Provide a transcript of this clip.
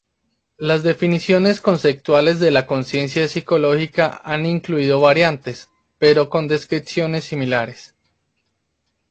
Las definiciones conceptuales de la conciencia psicológica han incluido variantes, pero con descripciones similares.